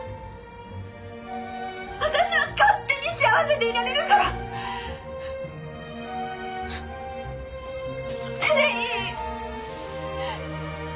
私は勝手に幸せでいられるからそれでいい！